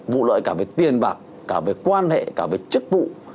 vụ lợi cả về tiền bạc cả về quan hệ cả về chức vụ